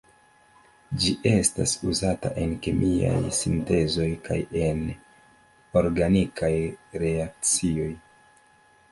Ĝi estas uzata en kemiaj sintezoj kaj en organikaj reakcioj.